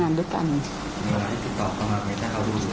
มาที่ตอบต่อมากนะฮะ